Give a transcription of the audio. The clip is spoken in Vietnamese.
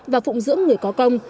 và phùng dưỡng người có công